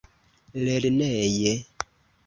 lerneje